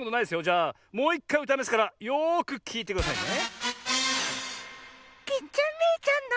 じゃあもういっかいうたいますからよくきいてくださいね。